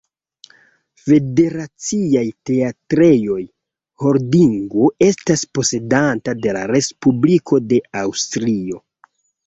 Federaciaj Teatrejoj-Holdingo estas posedanta de la Respubliko de Aŭstrio.